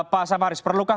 pak samaris perlukah